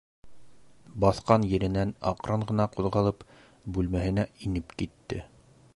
Баҫҡан еренән аҡрын ғына ҡуҙғалып, бүлмәһенә инеп китте.